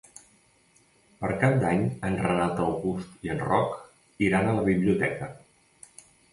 Per Cap d'Any en Renat August i en Roc iran a la biblioteca.